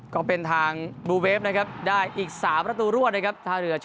ก็เป็นทางบลูเวฟนะครับ